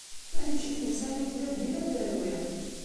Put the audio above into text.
Taneččit n Sami tella dima terwi.